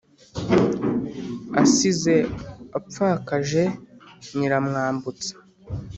asize apfakaje nyiramwambutsa.